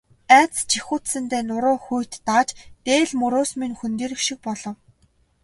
Айдас жихүүдсэндээ нуруу руу хүйт дааж, дээл мөрөөс минь хөндийрөх шиг болов.